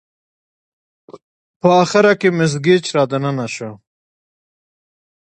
په اخره کې مس ګېج را دننه شوه.